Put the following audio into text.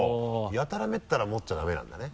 やたらめったら持っちゃダメなんだね。